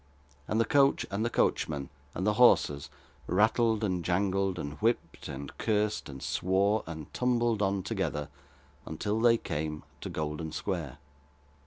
And the coach, and the coachman, and the horses, rattled, and jangled, and whipped, and cursed, and swore, and tumbled on together, until they came to Golden Square.